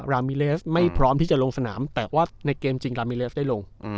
รามิเลสไม่พร้อมที่จะลงสนามแต่ว่าในเกมจริงรามิเลสได้ลง